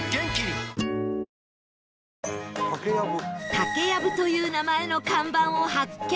「竹やぶ」という名前の看板を発見